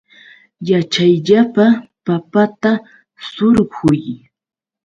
Yaćhayllapa papata surquy.